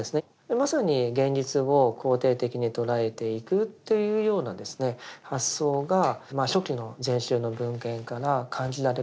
まさに現実を肯定的に捉えていくというような発想が初期の禅宗の文献から感じられるところがあります。